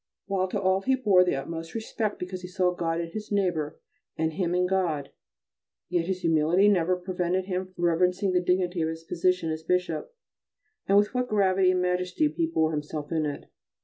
While to all he bore the utmost respect because he saw God in his neighbour and him in God, yet his humility never prevented him from reverencing the dignity of his position as Bishop, and with what gravity and majesty he bore himself in it.